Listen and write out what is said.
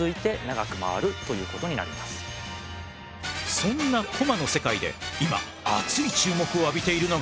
そんなコマの世界で今熱い注目を浴びているのが。